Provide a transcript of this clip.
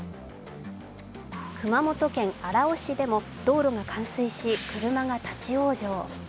熊本県荒尾市でも道路が冠水し、車が立往生。